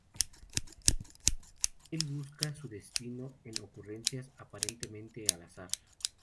Él busca su destino en las ocurrencias aparentemente al azar.